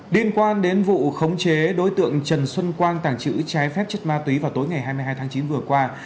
liên quan đến vụ khống chế đối tượng trần xuân quang tàng trữ trái phép chất ma túy vào tối ngày hai mươi hai tháng chín vừa qua